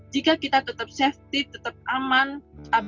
jika kita tetap safety tetap aman tetap berhubungan dengan masyarakat